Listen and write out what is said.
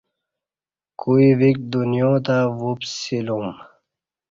کوئ ویک دنیاتہ ووپسیلوم